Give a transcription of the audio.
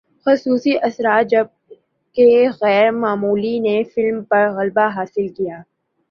خصوصی اثرات جبکہ غیر معمولی نے فلم پر غلبہ حاصل کیا